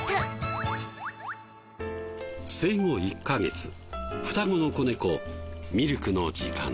生後１カ月双子の子猫ミルクの時間。